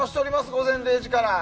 「午前０時の森」から。